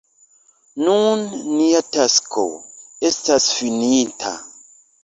Nun nia tasko estas finita.